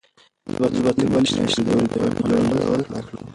زه به تر بلې میاشتې پورې د ویبپاڼې جوړول زده کړم.